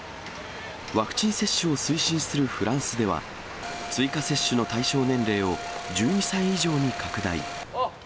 ワクチン接種を推進するフランスでは、追加接種の対象年齢を１２歳以上に拡大。